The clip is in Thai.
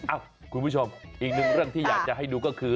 คุณผู้ชมอีกหนึ่งเรื่องที่อยากจะให้ดูก็คือ